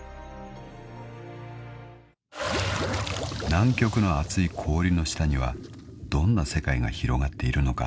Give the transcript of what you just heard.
［南極の厚い氷の下にはどんな世界が広がっているのか］